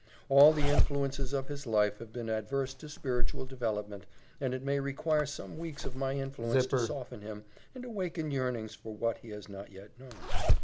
All the influences of his life have been adverse to spiritual development, and it may require some weeks of my influence to soften him and awaken yearnings for what he has not yet known."